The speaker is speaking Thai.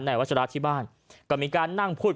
วัชราที่บ้านก็มีการนั่งพูด